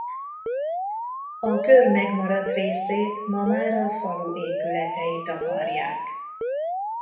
A kör megmaradt részét ma már a falu épületei takarják.